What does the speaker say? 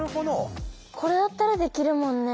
これだったらできるもんね。